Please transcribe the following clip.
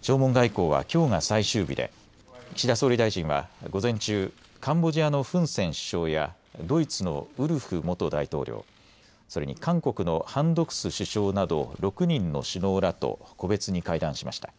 弔問外交はきょうが最終日で岸田総理大臣は午前中、カンボジアのフン・セン首相やドイツのウルフ元大統領、それに韓国のハン・ドクス首相など６人の首脳らと個別に会談しました。